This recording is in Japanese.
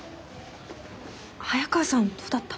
早川さんどうだった？